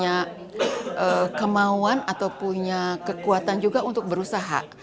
dan karena dia punya passion dia punya kemauan atau punya kekuatan juga untuk berusaha